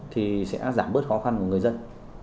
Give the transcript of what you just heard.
thì sẽ giảm bớt khó khăn của người dân